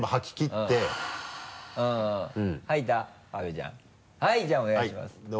じゃあお願いします。